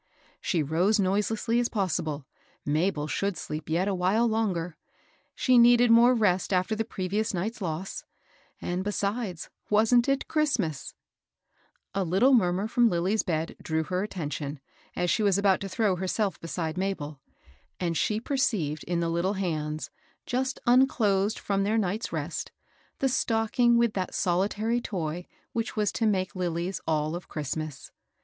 She rose noiselessly as possible ;— Mabel should sleep yet a while longer ; she needed more rest after the previous night's loss; and besides, wasn't it Christmas f A httle murmur from Lilly's bed drew her attention, as she was about to throw herself beside Mabel, and she perceived in the Uttle hands, just unclosed from their night's rest, the stocking with that solitary toy which was to make Lilly's all of Christmas.